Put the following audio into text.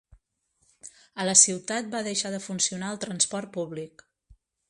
A la ciutat va deixar de funcionar el transport públic.